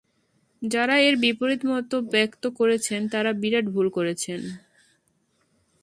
যারা এর বিপরীত মত ব্যক্ত করেছেন, তারা বিরাট ভুল করেছেন।